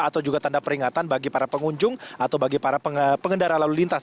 atau juga tanda peringatan bagi para pengunjung atau bagi para pengendara lalu lintas